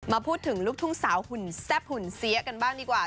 พูดถึงลูกทุ่งสาวหุ่นแซ่บหุ่นเสียกันบ้างดีกว่า